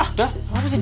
kenapa sih jid